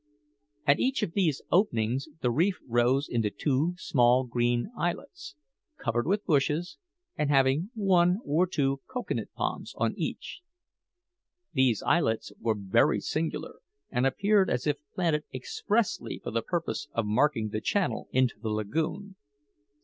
At each of these openings the reef rose into two small green islets, covered with bushes, and having one or two cocoa nut palms on each. These islets were very singular, and appeared as if planted expressly for the purpose of marking the channel into the lagoon.